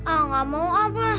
ah gak mau apa